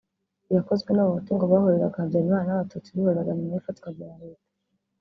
iyakozwe n’abahutu ngo bahoreraga Habyarimana n’abatutsi bihoreraga nyuma y’ifatwa rya Leta